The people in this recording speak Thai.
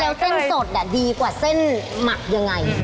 แล้วเส้นสดดีกว่าเส้นหมักยังไง